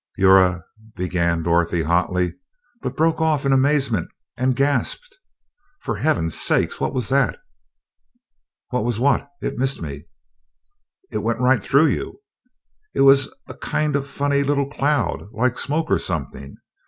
"You're a...." began Dorothy hotly, but broke off in amazement and gasped, "For Heaven's sake, what was that?" "What was what? It missed me." "It went right through you! It was a kind of funny little cloud, like smoke or something.